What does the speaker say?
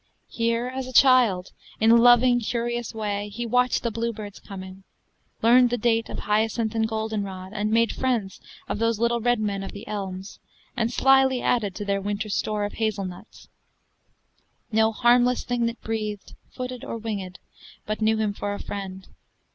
Here, as a child, in loving, curious way, He watched the bluebird's coming; learned the date Of hyacinth and goldenrod, and made Friends of those little redmen of the elms, And slyly added to their winter store Of hazel nuts: no harmless thing that breathed, Footed or winged, but knew him for a friend.